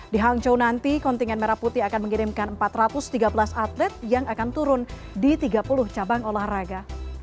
di hangzhou nanti kontingen merah putih akan mengirimkan empat ratus tiga belas atlet yang akan turun di tiga puluh cabang olahraga